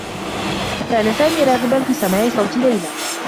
كان سامي راغبا في سماع صوت ليلى.